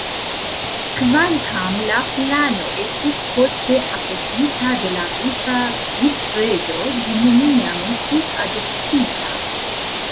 Kvankam la plano estis poste apogita de la rusa vicreĝo, ĝi neniam estis adoptita.